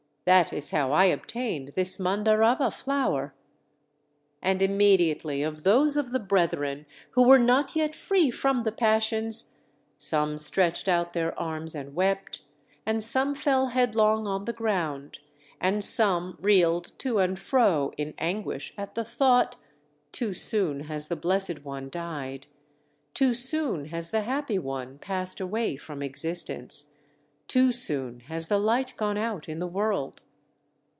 That is how I obtained this Mandarava flower." And immediately of those of the brethren who were not yet free from the passions, some stretched out their arms and wept, and some fell headlong on the ground, and some reeled to and fro in anguish at the thought: "Too soon has the Blessed One died! Too soon has the Happy One passed away from existence! Too soon has the Light gone out in the world!"